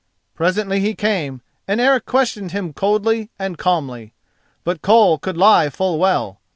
Presently he came, and Eric questioned him coldly and calmly. But Koll could lie full well.